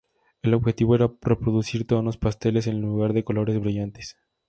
El objetivo era reproducir tonos pasteles en lugar de colores brillantes.